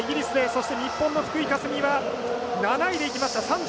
そして日本の福井香澄は７位でいきました。